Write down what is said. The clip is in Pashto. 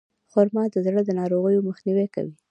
خرما د زړه د ناروغیو مخنیوی کوي.